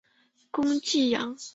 攻济阳。